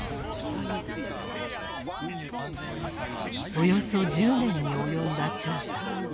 およそ１０年に及んだ調査。